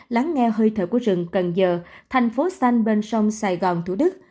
lắng nghe hơi thở của rừng cần giờ thành phố xanh bên sông sài gòn thủ đức